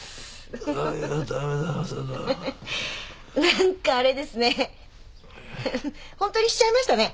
何かあれですね。